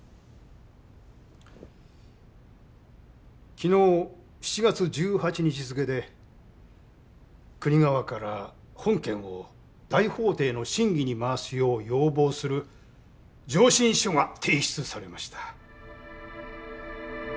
昨日７月１８日付で国側から本件を大法廷の審議に回すよう要望する「上申書」が提出されました。